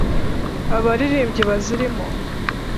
Abaririmbyi bazirimo.